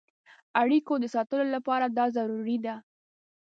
اړیکو د ساتلو لپاره دا ضروري ده.